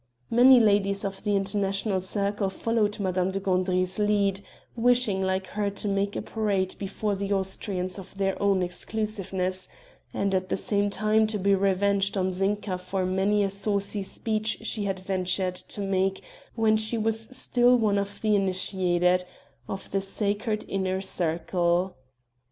Many ladies of the international circle followed Madame de Gandry's lead, wishing like her to make a parade before the Austrians of their own exclusiveness, and at the same time to be revenged on Zinka for many a saucy speech she had ventured to make when she was still one of the initiated of the sacred inner circle.